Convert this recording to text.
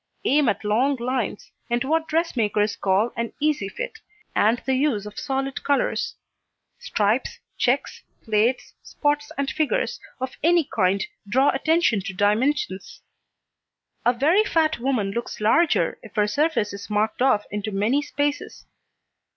Aim at long lines, and what dressmakers call an "easy fit," and the use of solid colours. Stripes, checks, plaids, spots and figures of any kind draw attention to dimensions; a very fat woman looks larger if her surface is marked off into many spaces.